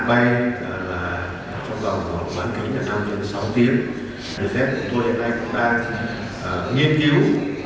để phép chúng tôi hiện nay cũng đang nghiên cứu để phát biệt phương pháp khác nhau